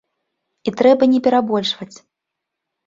І трэба не перабольшваць.